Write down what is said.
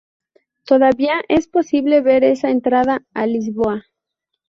Todavía es posible ver esa entrada a Lisboa.